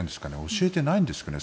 教えてないんですかね。